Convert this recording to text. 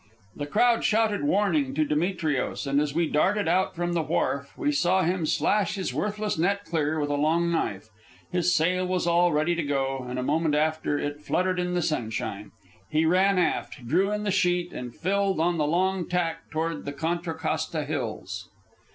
The crowd shouted warning to Demetrios, and as we darted out from the wharf we saw him slash his worthless net clear with a long knife. His sail was all ready to go up, and a moment later it fluttered in the sunshine. He ran aft, drew in the sheet, and filled on the long tack toward the Contra Costa Hills.